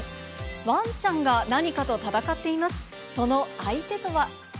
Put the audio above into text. ワンちゃんが何かと戦っています。